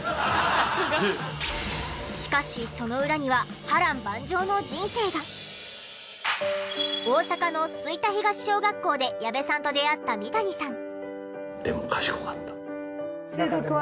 しかしその裏には大阪の吹田東小学校で矢部さんと出会った三谷さん。